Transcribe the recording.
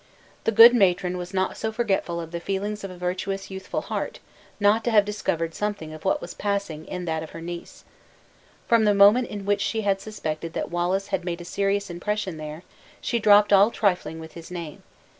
The good matron was not so forgetful of the feelings of a virtuous youthful heart, not to have discovered something of what was passing in that of her niece. From the moment in which she had suspected that Wallace had made a serious impression there, she dropped all trifling with his name.